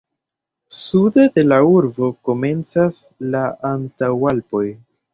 Sude de la urbo komencas la Antaŭalpoj.